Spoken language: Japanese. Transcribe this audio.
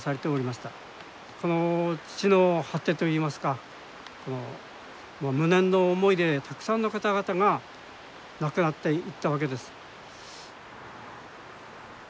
この地の果てといいますか無念の思いでたくさんの方々が亡くなっていったわけです。